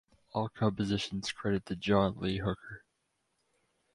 All compositions credited to John Lee Hooker